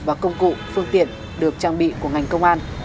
và công cụ phương tiện được trang bị của ngành công an